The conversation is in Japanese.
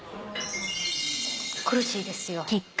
苦しいですよ